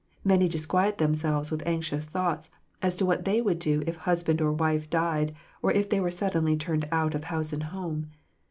Many disquiet themselves with anxious thoughts as to what they would do if husband or wife died, or if they were suddenly turned out of house and home.